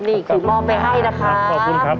นี่คือมอบไว้ให้นะครับ